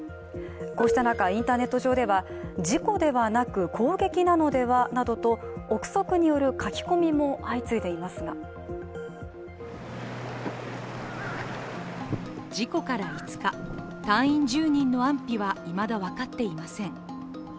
こうした中、インターネット上では事故ではなく攻撃なのでは？などと臆測による書き込みも相次いでいますが事故から５日、隊員１０人の安否はいまだ分かっていません。